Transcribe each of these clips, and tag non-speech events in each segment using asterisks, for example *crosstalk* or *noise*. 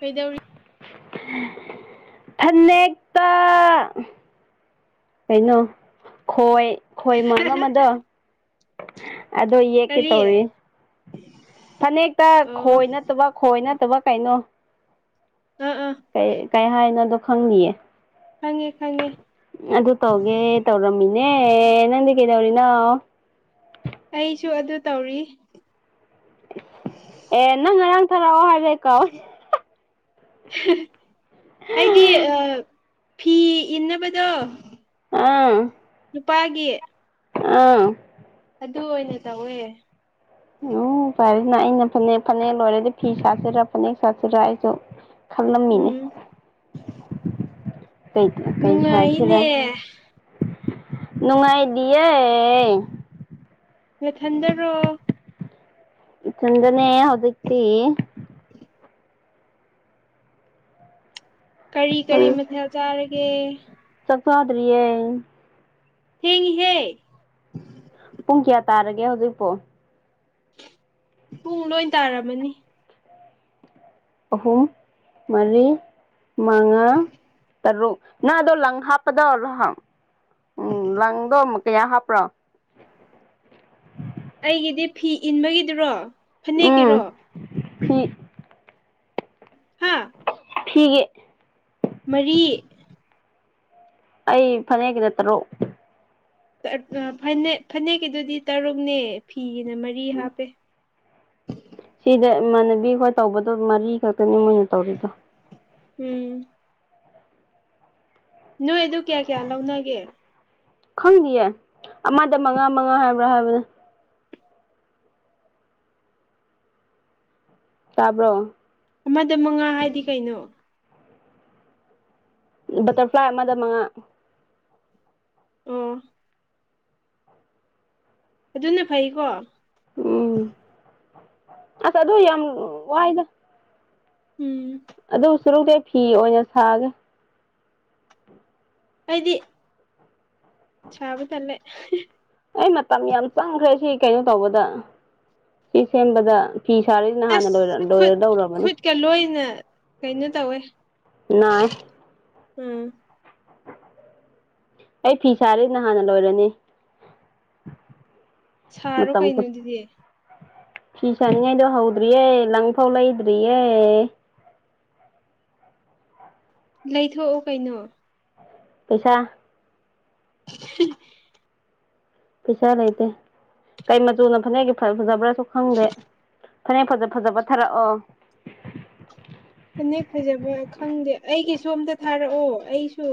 ꯀꯩꯗꯧꯔꯤ ꯐꯅꯦꯛꯇ ꯀꯩꯅꯣ ꯈꯣꯏ ꯈꯣꯏ ꯃꯥꯟꯕ ꯑꯃꯗꯣ ꯑꯗꯣ ꯌꯦꯛꯀꯦ ꯀꯔꯤ ꯇꯧꯔꯤ ꯐꯅꯦꯛꯇ ꯑꯣ ꯈꯣꯏ ꯅꯠꯇꯕ ꯈꯣꯏ ꯅꯠꯇꯕ ꯀꯩꯅꯣ ꯑꯥ ꯑꯥ ꯀꯩ ꯀꯩ ꯍꯥꯏꯅꯣꯗꯣ ꯈꯪꯗꯤꯌꯦ ꯈꯪꯉꯦ ꯈꯪꯉꯦ ꯑꯗꯨ ꯇꯧꯒꯦ ꯇꯧꯔꯝꯃꯤꯅꯦ ꯅꯪꯗꯤ ꯀꯩꯗꯧꯔꯤꯅꯣ ꯑꯩꯁꯨ ꯑꯗꯨ ꯇꯧꯔꯤ ꯑꯦ ꯅꯪ ꯉꯔꯥꯡ ꯊꯥꯔꯛꯑꯣ ꯍꯥꯏꯔ ꯑꯩ ꯀꯣꯥꯎ ꯍꯦ ꯑꯩꯗꯤ ꯑꯥ ꯐꯤ ꯏꯟꯅꯕꯗꯣ ꯑꯥ ꯅꯨꯄꯥꯒꯤ ꯑꯥ ꯑꯗꯨ ꯑꯣꯏꯅ ꯇꯧꯋꯦ ꯎꯝ ꯐꯩꯅ ꯑꯩꯅ ꯐꯅꯦꯛ ꯐꯅꯦꯛ ꯂꯣꯏꯔꯗꯤ ꯐꯤ ꯁꯥꯁꯤꯔꯥ ꯐꯅꯦꯛ ꯁꯥꯁꯤꯔꯥ ꯑꯩꯁꯨ ꯈꯪꯂꯝꯃꯤꯅꯦ ꯎꯝ ꯀꯩ ꯀꯩ ꯁꯥꯁꯤꯔ ꯅꯨꯡꯉꯥꯏꯅꯦ ꯍꯥꯏꯅ ꯅꯨꯡꯉꯥꯏꯗꯤꯌꯦ ꯅꯊꯟꯗꯔꯣ ꯢꯊꯟꯗꯅꯦ ꯍꯧꯖꯤꯛꯇꯤ ꯀꯔꯤ ꯀꯔꯤ ꯍꯧꯖꯤꯛ ꯃꯊꯦꯜ ꯆꯥꯔꯒꯦ ꯆꯥꯛ ꯆꯗ꯭ꯔꯤꯌꯦ ꯊꯦꯡꯉꯤ ꯍꯦ ꯄꯨꯡ ꯀꯌꯥ ꯇꯥꯔꯒꯦ ꯍꯧꯖꯤꯛꯄꯣ ꯄꯨꯡ ꯂꯣꯏ ꯇꯥꯔꯝꯃꯅꯤ ꯑꯍꯨꯝ ꯃꯔꯤ ꯃꯉꯥ ꯇꯔꯨꯛ ꯉꯥꯗꯣ ꯂꯪ ꯍꯥꯞꯄꯗꯣ ꯂꯪ ꯎꯝ ꯂꯪꯗꯣ ꯀꯌꯥ ꯍꯥꯞꯄ꯭ꯔꯣ ꯑꯩꯒꯤꯗꯤ ꯐꯤ ꯏꯟꯕꯒꯤꯗꯨꯔꯣ ꯐꯅꯦꯛꯀꯤꯔꯣ ꯎꯝ ꯐꯤ ꯍꯥ ꯐꯤꯒꯤ ꯃꯔꯤ꯫ ꯑꯩ ꯐꯅꯦꯛꯒꯤꯗ ꯇꯔꯨꯛ꯫ ꯐꯅꯦꯛ ꯐꯅꯦꯛꯀꯤꯗꯨꯗꯤ ꯇꯔꯨꯛꯅꯦ ꯐꯤꯒꯤꯅ ꯃꯔꯤ ꯍꯥꯞꯄꯦ꯫ ꯁꯤꯗ ꯏꯃꯥꯟꯅꯕꯤꯈꯣꯏ ꯇꯧꯕꯗꯣ ꯃꯔꯤ ꯈꯛꯇꯅꯤ ꯃꯣꯏꯅ ꯇꯧꯔꯤꯗꯣ꯫ ꯎꯝ꯫ ꯅꯣꯏ ꯑꯗꯨ ꯀꯌꯥ ꯀꯌꯥ ꯂꯧꯅꯒꯦ꯫ ꯈꯪꯗꯤꯌꯦ ꯑꯃꯗ ꯃꯉꯥ ꯃꯉꯥ ꯍꯥꯏꯕ꯭ꯔꯥ ꯍꯥꯏꯕꯅꯦ꯫ ꯇꯥꯕ꯭ꯔꯣ? ꯑꯃꯗ ꯃꯉꯥ ꯍꯥꯏꯗꯤ ꯀꯩꯅꯣ? ꯕꯇꯔꯐ꯭ꯂꯥꯏ ꯑꯃꯗ ꯃꯉꯥ꯫ ꯑꯣ꯫ ꯑꯗꯨꯅ ꯐꯩꯀꯣ? ꯎꯝ ꯑꯁ ꯑꯗꯨ ꯌꯥꯝ ꯋꯥꯏꯗ꯫ ꯎꯝ꯫ ꯑꯗꯨ ꯁꯨꯔꯨꯗꯤ ꯑꯩ ꯐꯤ ꯑꯣꯏꯅ ꯁꯥꯒꯦ꯫ ꯑꯩꯗꯤ, ꯁꯥꯕ ꯇꯜꯂꯦ꯫ ꯑꯩ ꯃꯇꯝ ꯌꯥꯝ ꯆꯪꯈ꯭ꯔꯦ ꯁꯤ ꯀꯩꯅꯣ ꯇꯧꯕꯗ ꯁꯤ ꯁꯦꯝꯕꯗ꯫ ꯐꯤ ꯁꯥꯔꯗꯤ ꯅꯍꯥꯟꯅ ꯑꯁ ꯈꯨꯠ ꯂꯣꯏꯔꯗꯧꯔꯕꯅꯤ꯫ ꯈꯨꯠꯀ ꯂꯣꯏꯅ ꯀꯩꯅꯣ ꯇꯧꯋꯦ ꯅꯥꯏ꯫ ꯎꯝ꯫ ꯑꯩ ꯐꯤ ꯁꯥꯔꯗꯤ ꯅꯍꯥꯟꯅ ꯂꯣꯏꯔꯅꯤ꯫ ꯁꯥꯔꯣ ꯃꯇꯝ ꯀꯩꯅꯣ ꯑꯗꯨꯗꯤ꯫ ꯐꯤ ꯁꯥꯅꯤꯡꯉꯥꯏꯗꯣ ꯍꯧꯗ꯭ꯔꯤꯌꯦ, ꯂꯪꯐꯥꯎ ꯂꯩꯗ꯭ꯔꯤꯌꯦ꯫ ꯂꯩꯊꯣꯛꯎ ꯀꯩꯅꯣ꯫ ꯄꯩꯁꯥ꯫ *unintelligible* ꯄꯩꯁꯥ ꯂꯩꯇꯦ ꯀꯩ ꯃꯆꯨꯅ ꯐꯅꯦꯛꯒꯤ ꯐꯖꯕ꯭ꯔꯥꯁꯨ ꯈꯪꯗꯦ꯫ ꯐꯅꯦꯛ ꯐꯖ ꯐꯖꯕ ꯊꯥꯔꯛꯑꯣ꯫ ꯐꯅꯦꯛ ꯐꯖꯕ ꯈꯪꯗꯦ ꯑꯩꯒꯤꯁꯨ ꯑꯃꯇ ꯊꯥꯔꯛꯑꯣ ꯑꯩꯁꯨ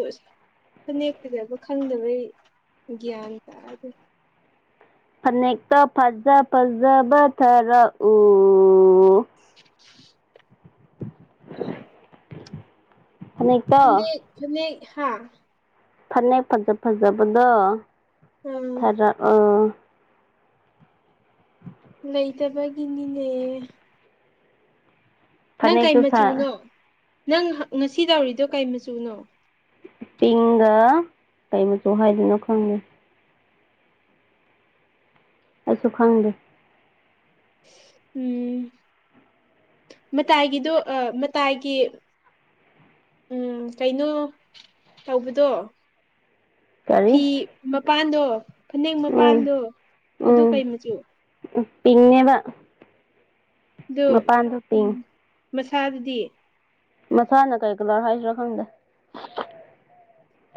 ꯐꯅꯦꯛ ꯐꯖꯕ ꯈꯪꯗꯕꯩ ꯒ꯭ꯌꯥꯟ ꯇꯥꯗꯦ꯫ ꯐꯅꯦꯛꯇꯣ ꯐꯖ ꯐꯖꯕ ꯊꯥꯔꯛꯎ꯫ ꯎꯝ꯫ ꯐꯅꯦꯛꯇꯣ ꯐꯅꯦꯛ ꯐꯅꯦꯛ ꯍꯥꯥ, ꯐꯅꯦꯛ ꯐꯖ ꯐꯖꯕꯗꯣ ꯎꯝ ꯊꯔꯛꯑꯣ꯫ ꯂꯩꯇꯕꯒꯤꯅꯤꯅꯦ꯫ ꯅꯪ ꯀꯩ ꯐꯅꯦꯛꯇꯨ ꯁꯥ ꯃꯆꯨꯅꯣ, ꯅꯪ ꯉꯁꯤ ꯇꯧꯔꯤꯗꯣ ꯀꯩ ꯃꯆꯨꯅꯣ? ꯄꯤꯡꯒ ꯀꯩ ꯃꯆꯨ ꯍꯥꯏꯗꯣꯏꯅꯣ ꯈꯪꯗꯦ꯫ ꯑꯩꯁꯨ ꯈꯪꯗꯦ꯫ ꯎꯝ꯫ ꯃꯇꯥꯏꯒꯤꯗꯣ ꯑ ꯃꯇꯥꯏꯒꯤ, ꯎꯝ ꯀꯩꯅꯣ ꯇꯧꯕꯗꯣ, ꯀꯔꯤ ꯐꯤ ꯃꯄꯥꯟꯗꯣ, ꯐꯅꯦꯛ ꯎꯝ ꯃꯄꯥꯟꯗꯣ ꯑꯗꯨ ꯎꯝ ꯀꯩ ꯃꯆꯨ? ꯄꯤꯡꯅꯦꯕ꯫ ꯗꯨ ꯃꯄꯥꯟꯗꯣ ꯄꯤꯡ ꯃꯁꯥꯗꯗꯤ ꯃꯁꯥꯅ ꯀꯩ ꯀꯂꯔ ꯍꯥꯏꯁꯤꯔꯥ ꯈꯪꯗꯦ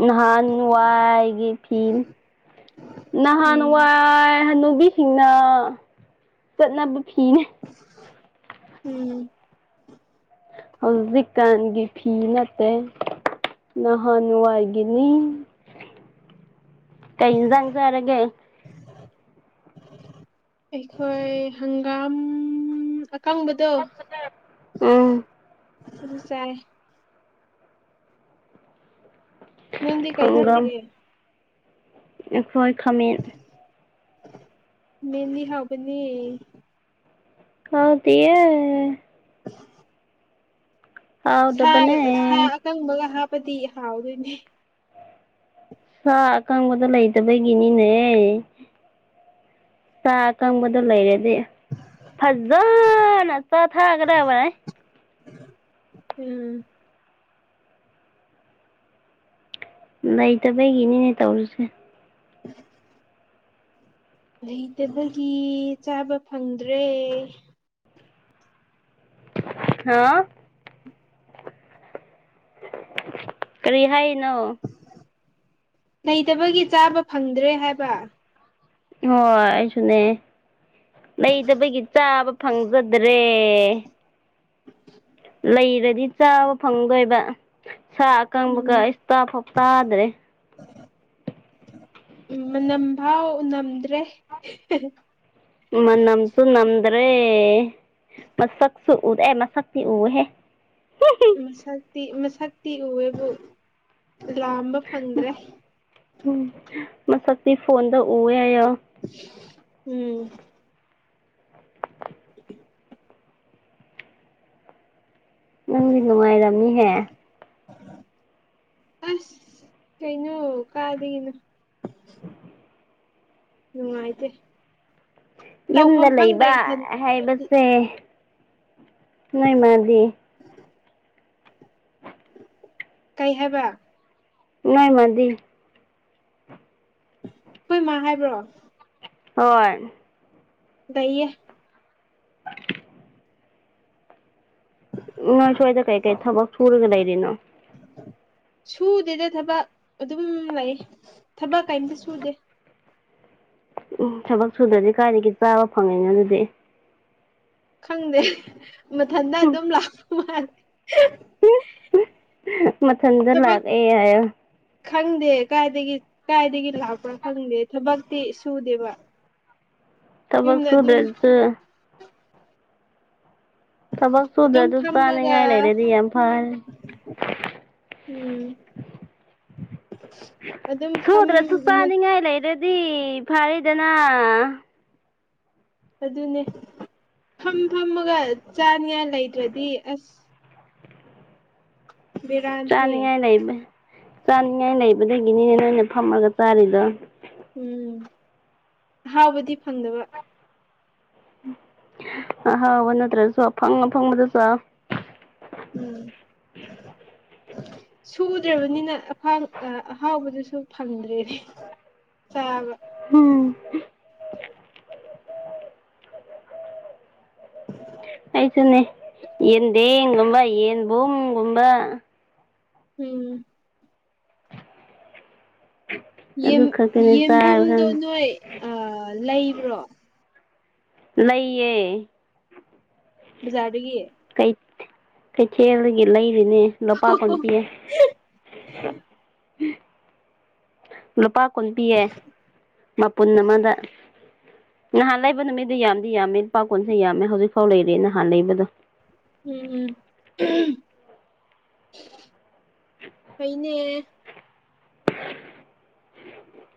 ꯅꯍꯥꯟ ꯋꯥꯢꯒꯤ ꯐꯤ ꯎꯝ ꯅꯍꯥꯟꯋꯥꯏ ꯍꯟꯅꯨꯕꯤꯁꯤꯡꯅ ꯆꯠꯅꯕ ꯐꯤꯅꯦ ꯎꯝ ꯍꯧꯖꯤꯛꯀꯥꯟꯒꯤ ꯐꯤ ꯅꯠꯇꯦ ꯅꯍꯥꯟ ꯋꯥꯏꯒꯤꯅꯤ ꯀꯩ ꯏꯟꯖꯥꯡ ꯆꯥꯔꯒꯦ ꯑꯩꯈꯣꯏ ꯍꯪꯒꯥꯝ ꯀꯪꯕꯗꯣ ꯎꯝ ꯑꯗꯨ ꯆꯥꯏ ꯅꯪꯗꯤ ꯀꯩ ꯊꯣꯡꯒꯦ ꯑꯈꯣꯏ ꯈꯥꯃꯦꯟ ꯃꯦꯟꯂꯤ ꯍꯥꯎꯕꯅꯦ ꯍꯥꯎꯇꯤꯌꯦ *unintelligible* ꯁꯥ ꯍꯥꯎꯇꯕꯅꯦ ꯁꯥ ꯑꯀꯪꯕꯒ ꯍꯥꯞꯄꯗꯤ ꯍꯥꯎꯗꯣꯏꯅꯦ ꯁꯥ ꯑꯀꯪꯕꯗꯣ ꯂꯩꯇꯕꯒꯤꯅꯤꯅꯦ ꯁꯥ ꯑꯀꯪꯕꯗꯣ ꯂꯩꯔꯗꯤ ꯐꯖꯅ ꯆꯥꯊꯒꯗꯕꯅꯦ ꯎꯝ ꯂꯩꯇꯕꯒꯤꯅꯤꯅꯦ ꯇꯧꯔꯤꯁꯦ *inaudible* ꯂꯩꯇꯕꯒꯤ ꯆꯥꯕ ꯐꯪꯗ꯭ꯔꯦ ꯈꯔ ꯀꯔꯤ ꯍꯥꯏꯔꯤꯅꯣ ꯂꯩꯇꯕꯒꯤ ꯆꯥꯕ ꯐꯪꯗ꯭ꯔꯦ ꯍꯥꯏꯕ ꯍꯣꯏ ꯑꯩꯁꯨꯅꯦ ꯂꯩꯇꯕꯒꯤ ꯆꯥꯕ ꯐꯪꯖꯗ꯭ꯔꯦ *inaudible* ꯂꯩꯔꯗꯤ ꯆꯥꯕ ꯐꯪꯗꯣꯏꯕ ꯁꯥ ꯑꯀꯪꯕꯒ ꯑꯩꯁ ꯇꯥꯐꯥꯎ ꯇꯥꯗ꯭ꯔꯦ ꯏꯝ ꯃꯅꯝ ꯐꯥꯎ ꯅꯝꯗ꯭ꯔꯦ ꯃꯅꯝꯁꯨꯨ ꯅꯝꯗ꯭ꯔꯦ ꯃꯁꯛꯁꯨꯨ ꯎꯔꯦ ꯃꯁꯛꯇꯤ ꯎꯌꯦꯍꯦ ꯃꯁꯛꯇꯤ ꯃꯁꯛꯇꯤ ꯎꯌꯦꯕꯨ ꯂꯥꯝꯕ ꯐꯪꯗ꯭ꯔꯦ ꯎꯝ ꯃꯁꯛꯇꯤ ꯐꯣꯟꯗ ꯎꯋꯦ ꯍꯥꯏꯌꯣ ꯎꯝ *inaudible* ꯅꯪꯗꯤ ꯅꯨꯡꯉꯥꯏꯔꯝꯅꯤꯍꯦ ꯑꯁ ꯀꯩꯩꯅꯣ ꯀꯥꯏꯗꯒꯤꯅꯣ *inaudible* ꯅꯨꯉꯥꯏꯇꯦ ꯌꯨꯝꯗ ꯂꯩꯕ ꯏꯊꯟ ꯍꯥꯏꯕꯁꯦ ꯅꯣꯏ ꯃꯥꯗꯤ ꯀꯩ ꯍꯥꯏꯕ ꯅꯣꯏ ꯃꯥꯗꯤ ꯈꯣꯏ ꯃꯥ ꯍꯥꯏꯕ꯭ꯔꯣ ꯍꯣꯏ ꯂꯩꯌꯦ ꯅꯣꯏ ꯁ꯭ꯋꯥꯏꯗ ꯀꯩꯀꯩ ꯊꯕꯛ ꯁꯨꯔꯒ ꯂꯩꯔꯤꯅꯣ ꯁꯨꯗꯦꯗ ꯊꯕꯛ ꯑꯗꯨꯝ ꯂꯩ ꯊꯕꯛ ꯀꯩꯝꯇ ꯁꯨꯗꯦ ꯎꯝ ꯊꯕꯛ ꯁꯨꯗ꯭ꯔꯗꯤ ꯀꯥꯏꯗꯒꯤ ꯆꯥꯕ ꯐꯪꯉꯤꯅꯣ ꯑꯗꯨꯗꯤ ꯈꯪꯗꯦ ꯃꯊꯟꯇ ꯑꯗꯨꯝ ꯂꯥꯛꯄ ꯃꯥꯂꯦ ꯃꯊꯟꯗ ꯊꯕꯛ ꯂꯥꯛ ꯑꯦ ꯍꯥꯏꯌꯣ ꯈꯪꯗꯦ ꯀꯥꯏꯗꯒꯤ ꯀꯥꯏꯗꯒꯤ ꯂꯥꯛꯄ꯭ꯔꯥ ꯈꯪꯗꯦ ꯊꯕꯛꯇꯤ ꯁꯨꯗꯦꯕ ꯊꯕꯛ ꯌꯨꯝꯗ ꯑꯗꯨꯝ ꯁꯨꯗ꯭ꯔꯥꯖꯨ ꯊꯕꯛ ꯑꯗꯨꯝ ꯁꯨꯗ꯭ꯔꯗꯨ ꯐꯝꯃꯒ ꯆꯥꯅꯤꯡꯉꯥꯏ ꯂꯩꯔꯗꯤ ꯌꯥꯝ ꯐꯔꯦ ꯎꯝ ꯑꯗꯨꯝ ꯐꯝ ꯁꯨꯗ꯭ꯔꯁꯨ ꯆꯥꯅꯤꯡꯉꯥꯏ ꯂꯩꯔꯗꯤ ꯐꯔꯦꯗꯅ ꯑꯗꯨꯅꯦ ꯐꯝ ꯐꯝꯃꯒ ꯆꯥꯅꯤꯉꯥꯏ ꯂꯩꯇ꯭ꯔꯗꯤ ꯑꯁ ꯕꯦꯔꯥꯅꯤꯍꯦ ꯆꯥꯅꯤꯡꯉꯥꯏ ꯂꯩꯕ ꯆꯥꯅꯤꯡꯉꯥꯏ ꯂꯩꯕꯗꯒꯤꯅꯤꯅꯦ ꯅꯣꯏꯅ ꯐꯝꯃꯒ ꯆꯥꯔꯤꯗꯣ ꯎꯝ ꯑꯍꯥꯎꯕꯗꯤ ꯐꯪꯗꯕ ꯎꯝ ꯑꯍꯥꯎꯕ ꯅꯠꯇ꯭ꯔꯁꯨ ꯑꯐꯪ ꯑꯐꯪꯕꯗꯨ ꯆꯥꯎ ꯎꯝ ꯁꯨꯗ꯭ꯔꯕꯅꯤꯅ ꯑꯐꯪ ꯑꯍꯥꯎꯕꯗꯨꯁꯨ ꯐꯪꯗ꯭ꯔꯦꯅꯦ ꯆꯥꯕ ꯍꯨꯝ ꯁꯤꯟꯅꯦ ꯌꯦꯟꯗꯤꯝ ꯒꯨꯝꯕ ꯌꯦꯟꯕꯨꯡꯒꯨꯝꯕ ꯎꯝ ꯑꯗꯨ ꯌꯦꯝ ꯈꯛꯇꯅꯦ ꯆꯥꯔꯒ ꯌꯦꯟꯕꯨꯝꯗꯣ ꯅꯣꯏ ꯑ ꯂꯩꯕ꯭ꯔꯣ ꯂꯩꯌꯦ ꯕꯖꯥꯔ ꯗꯒꯤ ꯀꯩ ꯀꯩꯊꯦꯜꯗꯒꯤ ꯂꯩꯔꯤꯅꯤ ꯂꯨꯄꯥ ꯀꯨꯟ ꯄꯤ ꯂꯨꯄꯥ ꯀꯨꯟ ꯄꯤꯌꯦ ꯃꯄꯨꯟ ꯑꯃꯗ ꯅꯍꯥꯟ ꯂꯩꯕ ꯅꯨꯃꯤꯠꯗ ꯌꯥꯝꯗꯤ ꯌꯥꯝꯃꯦ ꯂꯨꯄꯥ ꯀꯨꯟꯁꯦ ꯌꯥꯝꯃꯦ ꯍꯧꯖꯤꯛꯐꯥꯎ ꯂꯩꯔꯤ ꯅꯍꯥꯟ ꯂꯩꯕꯗꯣ ꯎꯝ ꯎꯝ ꯐꯩꯅꯦ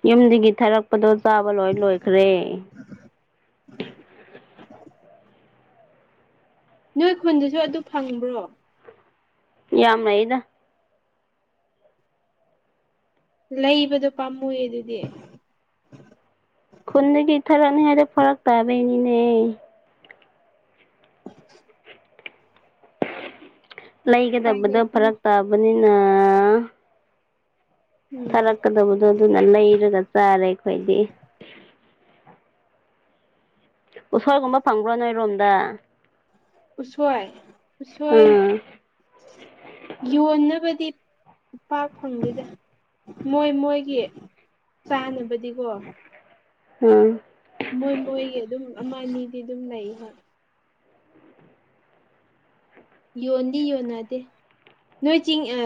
ꯌꯨꯝꯗꯒꯤ ꯊꯥꯔꯛꯄꯗꯣ ꯆꯥꯕ ꯂꯣꯏ ꯂꯣꯏꯈ꯭ꯔꯦ ꯅꯣꯏ ꯈꯨꯟꯗꯁꯨ ꯑꯗꯨ ꯐꯪꯕ꯭ꯔꯣ ꯌꯥꯝ ꯂꯩꯗꯥ ꯂꯩꯕꯗꯣ ꯄꯥꯝꯃꯨꯌꯦ ꯑꯗꯨꯗꯤ ꯈꯨꯟꯗꯒꯤ ꯊꯥꯔꯛꯅꯤꯉꯥꯏꯗꯣ ꯐꯔꯛ ꯇꯥꯕꯩꯅꯤꯅꯦ ꯎꯄꯥꯏ ꯂꯩꯒꯗꯕꯗꯣ ꯂꯩꯇꯦ ꯐꯔꯛ ꯇꯥꯕꯅꯤꯅ ꯎꯝ ꯊꯥꯔꯛꯀꯗꯕꯗꯣ ꯑꯗꯨꯅ ꯂꯩꯔꯒ ꯆꯥꯔꯦ ꯑꯩꯈꯣꯏꯗꯤ ꯎꯁꯣꯏ ꯒꯨꯝꯕ ꯐꯪꯕ꯭ꯔꯣ ꯅꯣꯏꯔꯣꯝꯗ ꯎꯁꯣꯏ ꯎꯁꯣꯏ ꯎꯝ ꯌꯣꯟꯅꯕꯗꯤ ꯄꯥꯛ ꯐꯪꯗꯦꯗ ꯃꯣꯏ ꯃꯣꯏꯒꯤ ꯆꯥꯅꯕꯗꯤꯀꯣ ꯎꯝ ꯃꯣꯏ ꯃꯣꯏꯒꯤ ꯑꯗꯨꯝ ꯑꯃ ꯑꯅꯤꯗꯤ ꯑꯗꯨꯝ ꯂꯩ ꯍꯣꯏ ꯌꯣꯟꯗꯤ ꯌꯣꯟꯅꯗꯦ ꯅꯣꯏ ꯆꯤꯡ ꯑ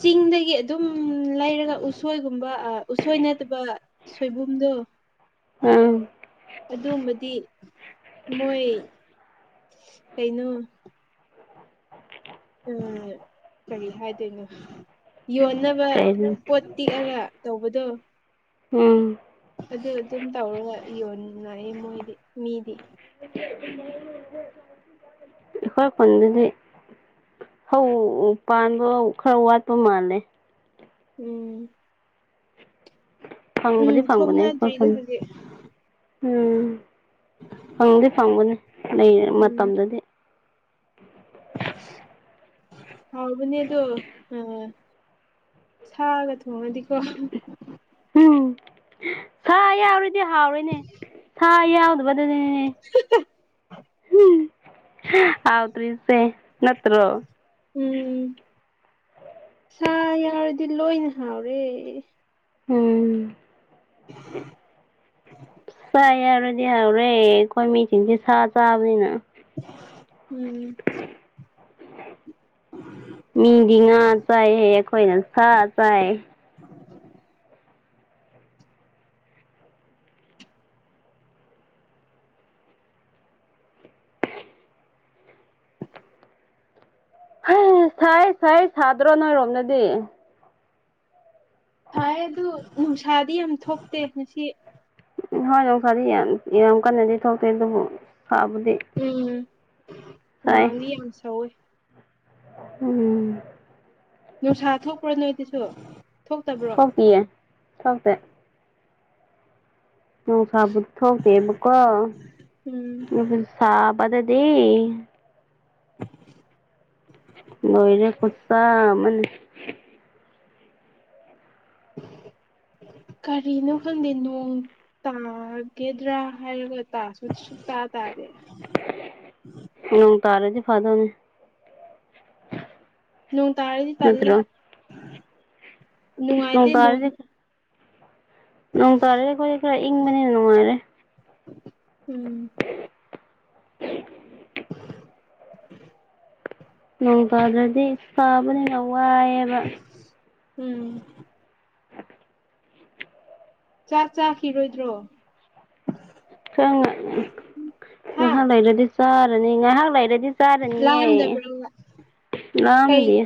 ꯆꯤꯡꯗꯒꯤ ꯑꯗꯨꯝ ꯂꯩꯔꯒ ꯎꯁꯣꯏꯒꯨꯝꯕ ꯑ ꯎꯁꯣꯏ ꯅꯠꯇꯕ ꯁꯣꯏꯕꯨꯝꯗꯣ ꯎꯝ ꯑꯗꯨꯝꯕꯗꯤ ꯃꯣꯏ ꯀꯩꯅꯣ? ꯎꯝ ꯀꯔꯤ ꯍꯥꯏꯗꯣꯏꯅꯣ ꯌꯣꯟꯅꯕ ꯀꯩꯅꯣ ꯄꯣꯠ ꯇꯤꯛꯑꯒ ꯇꯧꯕꯗꯣ ꯑꯥ ꯑꯗꯨ ꯑꯗꯨꯝ ꯇꯧꯔꯒ ꯌꯣꯟꯅꯥꯏꯑꯦ ꯃꯣꯏꯗꯤ ꯃꯤꯗꯤ *unintelligible* ꯑꯈꯣꯏ ꯈꯨꯟꯗꯗꯤ ꯍꯧ ꯄꯥꯟꯕ ꯈꯔ ꯋꯥꯠꯄ ꯃꯥꯂꯦ꯫ ꯎꯝ ꯎꯝ ꯐꯪꯕꯗꯤ ꯐꯪꯕꯅꯦ ꯈꯣꯏ ꯊꯣꯛꯅꯗ꯭ꯔꯤꯗ ꯈꯨꯟ ꯍꯧꯖꯤꯛ ꯎꯝ ꯐꯪꯗꯤ ꯐꯪꯕꯅꯤ ꯂꯩ ꯎꯝ ꯃꯇꯝꯗꯗꯤ ꯍꯥꯎꯕꯅꯤ ꯑꯗꯨ ꯑ ꯁꯥꯒ ꯊꯣꯡꯔꯗꯤꯀꯣ ꯎꯝ ꯁꯥ ꯌꯥꯎꯔꯗꯤ ꯍꯥꯎꯔꯦꯅꯦ ꯁꯥ ꯌꯥꯎꯗꯕꯗꯨꯗꯅꯤꯅꯦ *unintelligible* ꯍꯥꯎꯇ꯭ꯔꯤꯁꯦ ꯅꯠꯇ꯭ꯔꯣ ꯎꯝ ꯁꯥ ꯌꯥꯎꯔꯗꯤ ꯂꯣꯏꯅ ꯍꯥꯎꯔꯦ꯫ ꯎꯝ ꯁꯥ ꯌꯥꯎꯔ ꯗꯤ ꯍꯥꯎꯔꯦ ꯑꯩꯈꯣꯏ ꯃꯤꯁꯤꯡꯁꯦ ꯁꯥ ꯆꯥꯕꯅꯤꯅ ꯎꯝ ꯃꯤꯗꯤ ꯉꯥ ꯆꯥꯏ ꯍꯥꯏꯌꯦ ꯑꯩꯈꯣꯏꯅ ꯁꯥ ꯆꯥꯏ꯫ ꯍꯩ ꯁꯥꯏꯌꯦ ꯁꯥꯏꯌꯦ ꯁꯥꯗ꯭ꯔꯣ ꯅꯣꯏ ꯔꯣꯝꯗꯗꯤ? ꯁꯥꯏ ꯑꯗꯨ ꯅꯨꯡꯁꯥꯗꯤ ꯌꯥꯝ ꯊꯣꯛꯇꯦ ꯉꯁꯤ꯫ ꯎꯝ ꯍꯣꯏ ꯅꯨꯡꯁꯥꯗꯤ ꯌꯥꯝ ꯌꯥꯝ ꯀꯟꯅꯗꯤ ꯊꯣꯛꯇꯦ ꯑꯗꯨꯕꯨ ꯁꯥꯕꯗꯤ ꯎꯝ ꯍꯨꯃꯥꯡꯗꯤ ꯌꯥꯝ ꯁꯧꯋꯦ꯫ ꯎꯝ ꯅꯨꯡꯁꯥ ꯊꯣꯛꯄ꯭ꯔꯣ ꯅꯣꯏꯗꯁꯨ? ꯊꯣꯛꯇꯕ꯭ꯔꯣ ꯊꯣꯛꯇꯤꯌꯦ ꯊꯣꯛꯇꯦ ꯅꯨꯡꯁꯥꯕꯨ ꯊꯣꯛꯇꯦꯕꯀꯣ ꯎꯝ ꯗꯨꯕꯨ ꯁꯥꯕꯗꯗꯤ ꯂꯣꯏꯔꯦ ꯈꯨꯁꯥ ꯑꯃꯅꯤ *unintelligible* ꯀꯔꯤꯅꯣ ꯈꯪꯗꯦ ꯅꯣꯡ ꯇꯥꯒꯦꯗ꯭ꯔꯥ ꯍꯥꯏꯔꯒ ꯇꯥꯁꯨ ꯁꯨꯛꯇꯥ ꯇꯥꯗꯦ꯫ ꯅꯣꯡ ꯇꯥꯔꯗꯤ ꯐꯗꯧꯅꯦ꯫ ꯅꯣꯡ ꯇꯥꯔꯗꯤ ꯇꯜꯂꯦ ꯅꯨꯡꯉꯥꯏꯇꯦ ꯅꯣꯡ ꯅꯣꯡ ꯇꯥꯔꯗꯤ ꯑꯩꯈꯣꯏꯗꯤ ꯈꯔ ꯏꯪꯕꯅꯤꯅ ꯅꯨꯡꯉꯥꯏꯔꯦ꯫ ꯎꯝ ꯅꯣꯡ ꯇꯥꯗ꯭ꯔꯗꯤ ꯁꯥꯕꯅꯤꯅ ꯋꯥꯏꯑꯦꯕ꯫ ꯎꯝ ꯆꯥꯛ ꯆꯥꯈꯤꯔꯣꯏꯗ꯭ꯔꯣ? ꯈꯪ ꯉ ꯍꯥ ꯉꯥꯍꯥꯛ ꯂꯩꯔꯗꯤ ꯆꯥꯔꯅꯤ ꯉꯥꯏꯍꯥꯛ ꯂꯩꯔꯗꯤ ꯆꯔꯅꯤꯌꯦ ꯂꯥꯝꯗꯕ꯭ꯔꯣ ꯀꯩ ꯂꯥꯝꯗꯦ